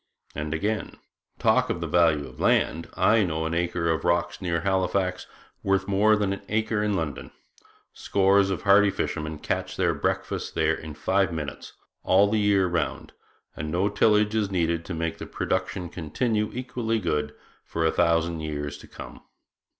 And, again: 'Talk of the value of land, I know an acre of rocks near Halifax worth more than an acre in London. Scores of hardy fishermen catch their breakfasts there in five minutes, all the year round, and no tillage is needed to make the production continue equally good for a thousand years to come.'